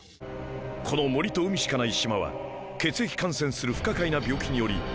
この森と海しかない島は血液感染する不可解な病気により。